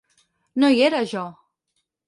No hi era, jo!